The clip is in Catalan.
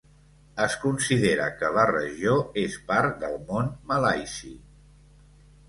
Es considera que la regió és part del món malaisi.